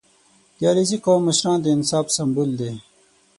• د علیزي قوم مشران د انصاف سمبول دي.